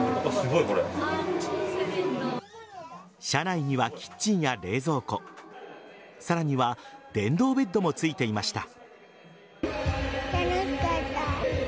車内にはキッチンや冷蔵庫さらには電動ベッドもついていました。